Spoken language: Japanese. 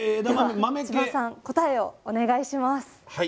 では千葉さん答えをお願いします。